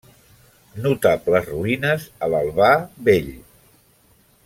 Notables ruïnes a l'Albà vell.